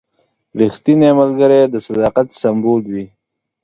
رښتینی ملګری د صداقت سمبول وي.